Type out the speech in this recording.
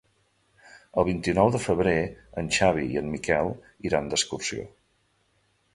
El vint-i-nou de febrer en Xavi i en Miquel iran d'excursió.